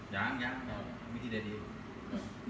ยังยังแต่วิธีเด็ดเด็ด